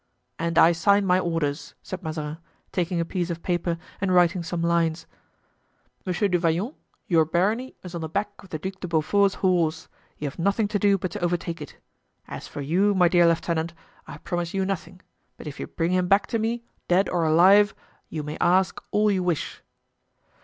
"And I sign my orders," said Mazarin, taking a piece of paper and writing some lines; "Monsieur du Vallon, your barony is on the back of the Duc de Beaufort's horse; you have nothing to do but to overtake it. As for you, my dear lieutenant, I promise you nothing; but if you bring him back to me, dead or alive, you may ask all you wish."